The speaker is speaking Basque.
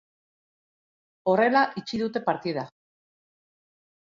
Horrela itxi dute partida.